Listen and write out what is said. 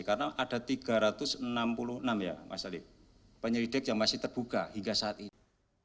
karena ada tiga ratus enam puluh enam ya mas ali penyelidik yang masih terbuka hingga saat ini